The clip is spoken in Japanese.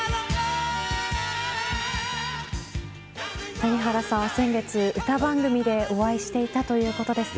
谷原さん、先月歌番組でお会いしていたということですが。